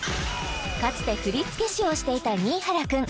かつて振付師をしていた新原くん